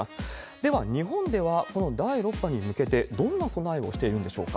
では、日本ではこの第６波に向けて、どんな備えをしているんでしょうか。